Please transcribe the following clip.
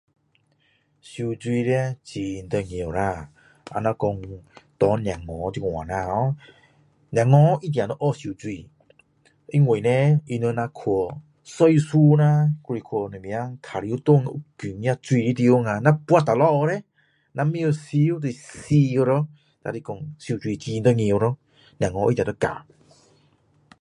游泳很重要啦比如说给小孩这样小孩一定要学游泳因为他们如果去做船啦还是去什么玩耍哪里有水的地方呀如果跌下去呢如果不会游泳死咯如果说游泳很重要咯小孩一定要教